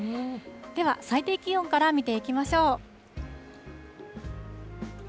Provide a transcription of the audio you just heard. では最低気温から見ていきましょう。